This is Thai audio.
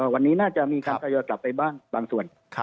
วันนี้น่าจะมีการทยอยกลับไปบ้างบางส่วน